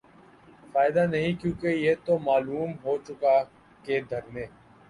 فائدہ نہیں کیونکہ یہ تو معلوم ہوچکا کہ دھرنے